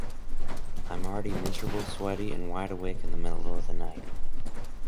I'm already miserable, sweaty, and wide awake in the middle of the night.